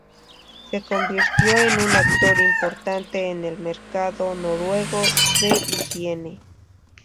Se convirtió en un actor importante en el mercado noruego de higiene.